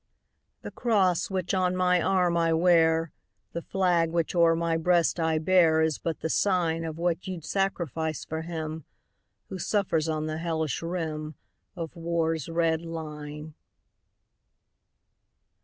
The cross which on my arm I wear, The flag which o'er my breast I bear, Is but the sign Of what you 'd sacrifice for him Who suffers on the hellish rim Of war's red line.